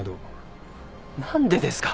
何でですか。